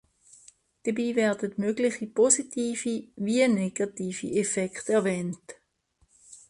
Dabei werden mögliche positive wie negative Effekte erwähnt.